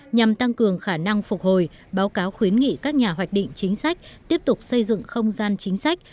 nhằm tăng cường khả năng phục hồi báo cáo khuyến nghị các nhà hoạch định chính sách tiếp tục xây dựng không gian chính sách